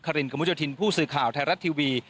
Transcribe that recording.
รินกระมุดโยธินผู้สื่อข่าวไทยรัฐทีวี